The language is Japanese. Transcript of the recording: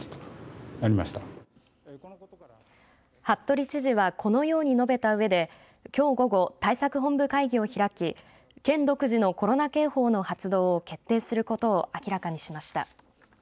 服部知事はこのように述べたうえできょう午後、対策本部会議を開き県独自のコロナ警報の発動を決定することを明らかにしました。